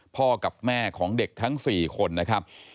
พ่อกับแม่ของเด็กทั้ง๔คนนะครับ